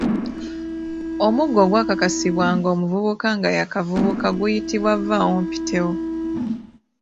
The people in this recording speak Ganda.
Omuggo ogwakwasibwanga omuvubuka nga y’akavubuka guyitibwa Vvawompitewo.